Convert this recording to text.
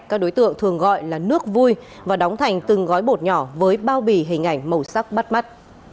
các đối tượng thường gọi là nước vui và đóng thành từng gói bột nhỏ với bao bì hình ảnh màu sắc bắt mắt